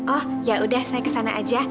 oh ya udah saya kesana aja